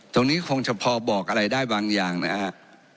ตรงนี้คงจะพอบอกอะไรได้บางอย่างนะฮะ